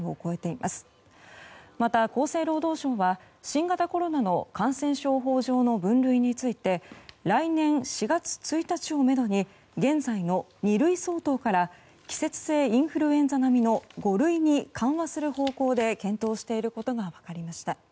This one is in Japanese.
また厚生労働省は、新型コロナの感染症法上の分類について来年４月１日をめどに現在の二類相当から季節性インフルエンザ並みの五類に緩和する方向で検討していることが分かりました。